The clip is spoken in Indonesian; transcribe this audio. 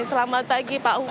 selamat pagi pak umar